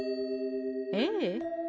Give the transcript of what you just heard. ええ。